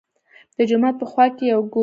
د جومات په خوا کښې يو ګودر وو